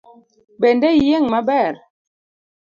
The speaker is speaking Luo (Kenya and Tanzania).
Bende iyieng’ maber?